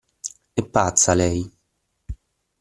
È pazza, lei!